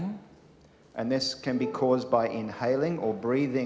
dan ini juga dapat menyebabkan kematian